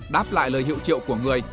đáp lại lời hiệu triệu của người